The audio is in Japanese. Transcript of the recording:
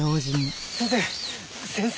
先生！